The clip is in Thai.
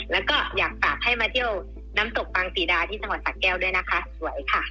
แล้วก็อยากฝากให้มาเที่ยวน้ำตกปังศรีดาที่จังหวัดสะแก้วด้วยนะคะสวยค่ะ